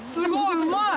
うまい！